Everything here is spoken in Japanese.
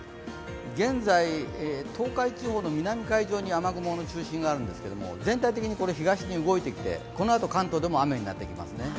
現在、東海地方の南海上に雨雲の中心があるんですけど全体的に東に動いてきてこのあと関東でも雨になってきますね。